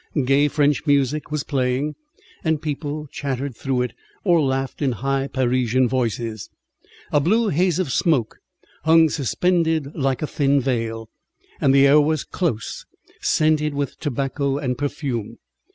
Gay French music was playing, and people chattered through it, or laughed in high Parisian voices. A blue haze of smoke hung suspended like a thin veil, and the air was close, scented with tobacco and perfume.